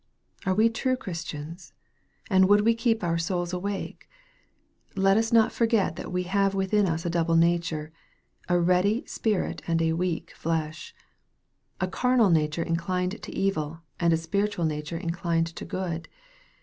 Are we true Christians ? and would we keep our souls awake ? Let us not forget that we have within us a double nature a ready " spirit" and weak " flesh" a carnal nature inclined to evil, and a spiritual nature inclined to good.